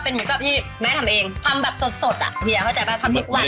เออมีกลิ่นของมะขามตบตุดนิดนึง